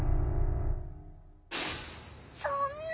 そんな！